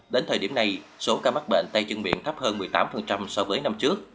đến thời điểm này số ca mắc bệnh tay chân miệng thấp hơn một mươi tám so với năm trước